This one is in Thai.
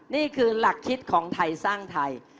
นี่คือหลักคิดของไทยสร้างไทย